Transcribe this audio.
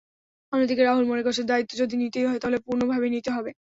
অন্যদিকে রাহুল মনে করছেন, দায়িত্ব যদি নিতেই হয়, তাহলে পূর্ণভাবেই নিতে হবে।